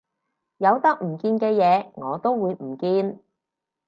有得唔見嘅嘢我都會唔見